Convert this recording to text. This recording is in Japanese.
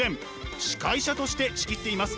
司会者として仕切っています。